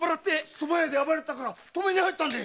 そば屋で暴れたから止めに入ったんで。